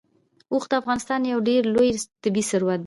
اوښ د افغانستان یو ډېر لوی طبعي ثروت دی.